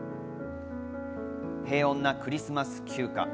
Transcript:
平穏なクリスマス休暇。